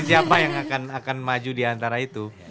siapa yang akan maju diantara itu